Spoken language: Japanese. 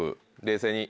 冷静に。